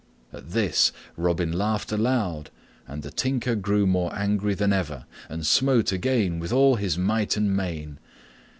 At this Robin laughed aloud, and the Tinker grew more angry than ever, and smote again with all his might and main.